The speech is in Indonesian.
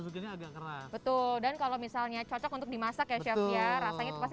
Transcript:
begini agak keras betul dan kalau misalnya cocok untuk dimasak ya chef ya rasanya pasti